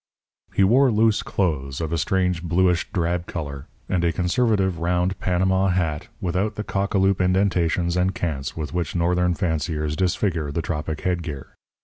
He wore loose clothes of a strange bluish drab colour, and a conservative, round Panama hat without the cock a loop indentations and cants with which Northern fanciers disfigure the tropic head gear.